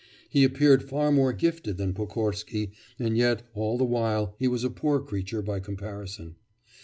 He appeared far more gifted than Pokorsky, and yet all the while he was a poor creature by comparison.